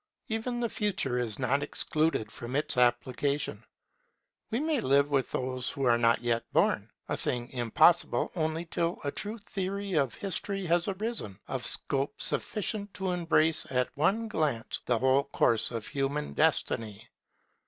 Even the Future is not excluded from its application. We may live with those who are not yet born; a thing impossible only till a true theory of history had arisen, of scope sufficient to embrace at one glance the whole course of human destiny.